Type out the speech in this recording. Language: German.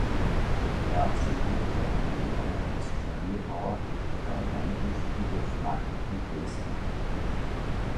Er absolvierte eine Lehre als Klavierbauer bei Heinrich Rudolf Mack in Dresden.